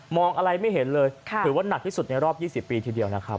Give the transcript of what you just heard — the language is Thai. อะไรไม่เห็นเลยถือว่าหนักที่สุดในรอบ๒๐ปีทีเดียวนะครับ